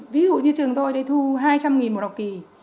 ví dụ như trường tôi đây thu hai trăm linh một học kỳ